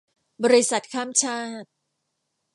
บริษัทข้ามชาติ